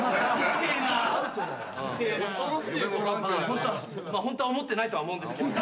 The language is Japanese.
ホントは思ってないとは思うんですけど。